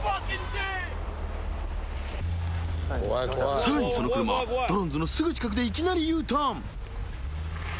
さらにその車はドロンズのすぐ近くでいきなりＵターン。